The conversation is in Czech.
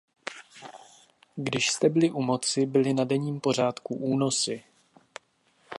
Když jste byli u moci, byly na denním pořádku únosy.